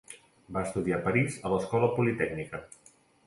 Va estudiar a París a l'Escola Politècnica.